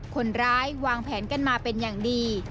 คนร้ายวางแผนกันมาเป็นอย่างดี